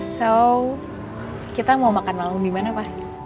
so kita mau makan malam dimana pak